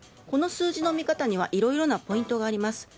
この数字の見方にはいろいろなポイントがあります。